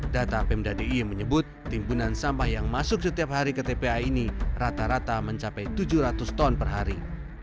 data pemda d i e menyebut timbunan sampah yang masuk setiap hari ke tpa ini rata rata mencapai tujuh ratus ton per hari